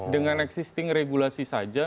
dengan existing regulasi saja